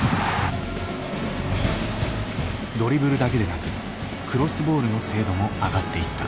ドリブルだけでなくクロスボールの精度も上がっていった。